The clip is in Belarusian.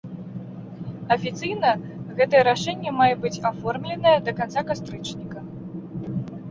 Афіцыйна гэтае рашэнне мае быць аформленае да канца кастрычніка.